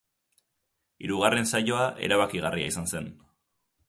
Hirugarren saioa erabakigarria izan zen.